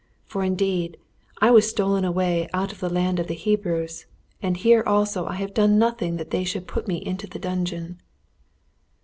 For, indeed, I was stolen away out of the land of the Hebrews, and here also have I done nothing that they should put me into the dungeon."